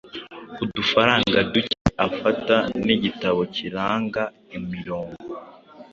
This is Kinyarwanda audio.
udufaranga duke, afata n’igitabo kiranga imirongo